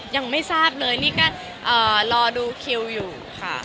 ยังไม่ทราบเลยนี่ก็รอดูคิวอยู่ค่ะ